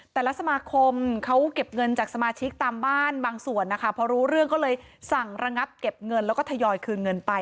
แต่ละสมาคมเขาเก็บเงินจากสมาชิกตามบ้านบางส่วนนะคะพอรู้เรื่องก็เลยสั่งระงับเก็บเงินแล้วก็ทยอยคืนเงินไป